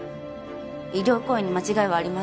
医療行為に間違いはありません。